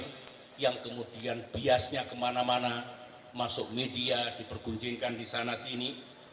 yang kemudian biasnya kemana mana masuk media diperguncingkan di sana sini